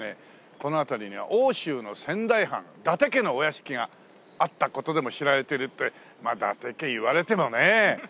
この辺りには奥州の仙台藩伊達家のお屋敷があった事でも知られてるってまあ伊達家言われてもねえ。